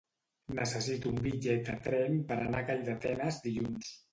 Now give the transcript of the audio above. Necessito un bitllet de tren per anar a Calldetenes dilluns.